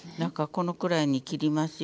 このくらいに切りますよ。